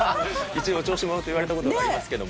一応お調子者と言われたことはありますけど。